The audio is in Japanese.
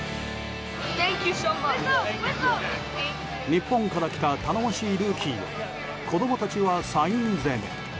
日本から来た頼もしいルーキーを子供たちはサイン攻め。